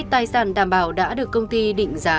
tài sản đảm bảo đã được công ty định giá